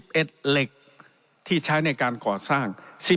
เอ็ดเหล็กที่ใช้ในการก่อสร้าง